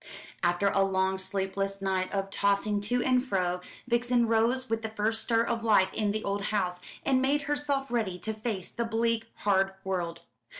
After a long sleepless night of tossing to and fro, Vixen rose with the first stir of life in the old house, and made herself ready to face the bleak hard world.